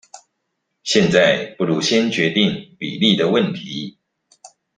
現在不如先決定比例的問題